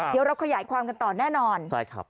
เดี๋ยวเราก็ใหญ่ความต่อแน่นอน